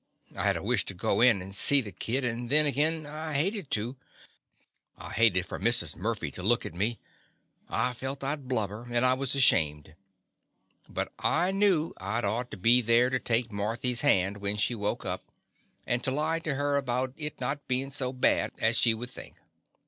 I had a wish to go in and see the kid, and then, again, I hated to. I hated for Mrs. Murphy to look at me; I felt I 'd blubber, and I was ashamed; but I knew I 'd ought to be there to take Marthy's hand when she woke up, and to lie to her about it not bein' so bad as she would think.